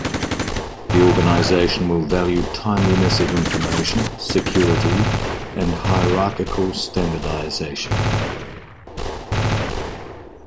The organization will value timeliness of information, security and hierarchical standardization.